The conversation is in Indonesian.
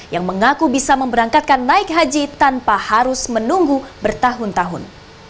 yang mengaku bisa memberangkatkan naik haji tanpa harus menunggu bertahun tahun